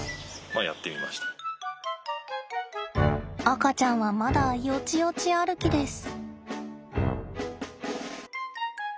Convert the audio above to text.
赤ちゃんはまだよちよち歩きです。